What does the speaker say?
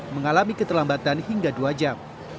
mengalami keterlambatan hingga dua jam